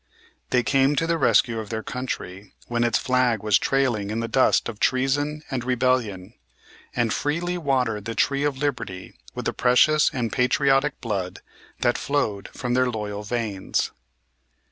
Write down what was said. They came to the rescue of their country when its flag was trailing in the dust of treason and rebellion, and freely watered the tree of liberty with the precious and patriotic blood that flowed from their loyal veins.